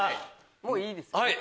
もういいですよね。